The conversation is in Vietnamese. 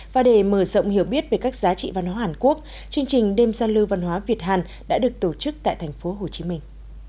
và để mở rộng hiểu biết về các giá trị văn hóa hàn quốc chương trình đêm gian lưu văn hóa việt hàn đã được tổ chức tại thành phố hồ chí minh